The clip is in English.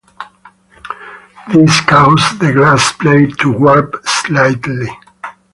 This caused the glass plate to warp slightly.